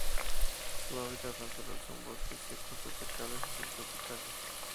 Su hábitat natural son:Bosques secos tropicales o subtropicales.